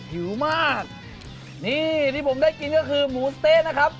หิวมากนี่ที่ผมได้กินก็คือหมูสะเต๊ะนะครับ